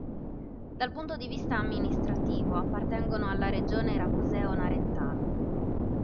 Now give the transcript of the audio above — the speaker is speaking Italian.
Dal punto di vista amministrativo appartengono alla regione raguseo-narentana.